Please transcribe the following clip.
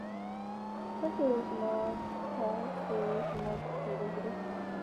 灰刻齿雀鲷为雀鲷科刻齿雀鲷属的鱼类。